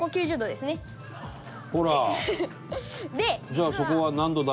「じゃあそこは何度だ？」